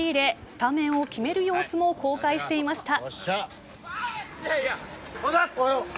スタメンを決める様子も公開していました。